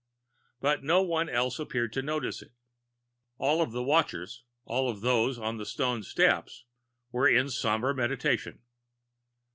But no one else appeared to notice it. All of the watchers, all of those on the stone steps, were in somber meditation.